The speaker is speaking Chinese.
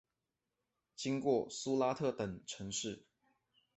经过苏拉特等城市。